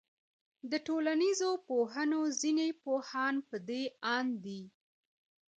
د ټولنيزو پوهنو ځيني پوهان پدې آند دي